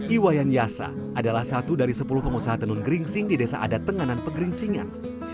iwayan yasa adalah satu dari sepuluh pengusaha tenun geringsing di desa ada tengganan peking seringan